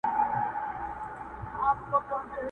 ما اغزي پکښي لیدلي په باغوان اعتبار نسته،